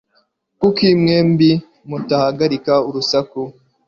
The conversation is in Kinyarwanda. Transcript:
Kuki mwembi mutahagarika urusaku